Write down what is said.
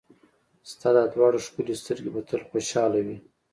ستا دا دواړه ښکلې سترګې به تل خوشحاله وي.